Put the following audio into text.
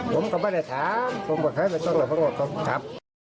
ผมก็ไม่ได้ถามผมบอกว่าแค่ไปตรงหลายหกครับ